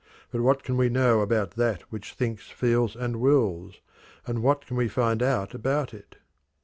But what can we know about that which thinks, feels, and wills, and what can we find out about it?